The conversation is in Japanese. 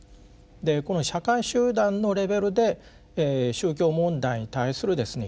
でこの社会集団のレベルで宗教問題に対するですね